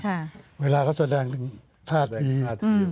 ค่ะเวลาเขาแสดงถ้าดีถ้าดี